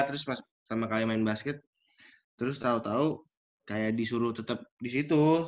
terus pertama kali main basket terus tau tau kayak disuruh tetap di situ